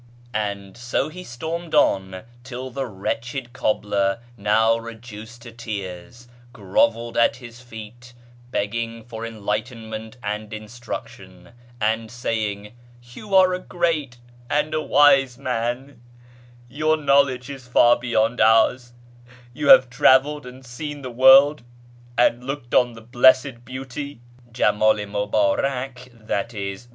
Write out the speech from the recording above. And so he stormed on, till the wretched cobbler, now reduced to tears, grovelled at his feet, begging for enlightenment and instruction, and saying, " You are a great and a wise man ; your knowledge is far beyond ours ; you have travelled and seen the world, and looked on the Blessed Beauty {Jemdl i Muhdrak, i.e.